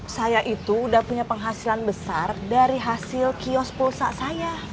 saya itu udah punya penghasilan besar dari hasil kios pulsa saya